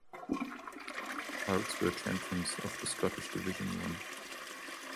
Hearts were champions of the Scottish Division One.